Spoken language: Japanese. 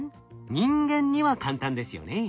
人間には簡単ですよね。